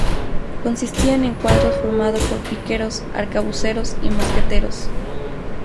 Consistían en cuadros formado por piqueros, arcabuceros y mosqueteros.